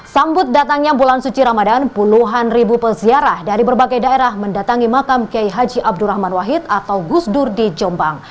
sambut datangnya bulan suci ramadan puluhan ribu peziarah dari berbagai daerah mendatangi makam kiai haji abdurrahman wahid atau gusdur di jombang